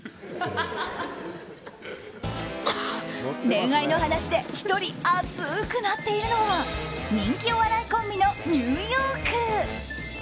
恋愛の話で１人熱くなっているのは人気お笑いコンビのニューヨーク。